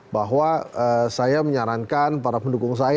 bahwa saya menyarankan para pendukung saya